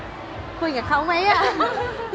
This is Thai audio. คือบอกเลยว่าเป็นครั้งแรกในชีวิตจิ๊บนะ